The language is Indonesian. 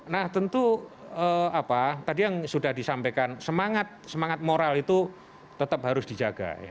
nah tentu apa tadi yang sudah disampaikan semangat moral itu tetap harus dijaga